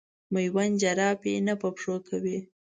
مېوند جراپي نه په پښو کوي.